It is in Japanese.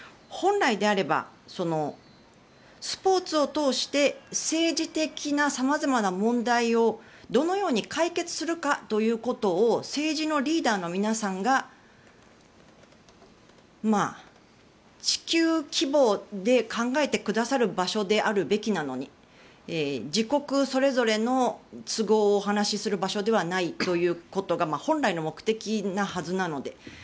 本来であればスポーツを通して政治的な様々な問題をどのように解決するかということを政治のリーダーの皆さんが地球規模で考えてくださる場所であるべきなのに自国それぞれの都合をお話しする場所ではないということが本来の目的なはずなので。